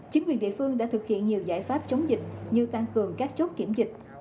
chính quyền địa phương đã thực hiện nhiều giải pháp chống dịch như tăng cường các chốt kiểm dịch